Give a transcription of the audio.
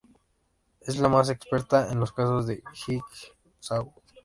Es la más experta en los casos de Jigsaw.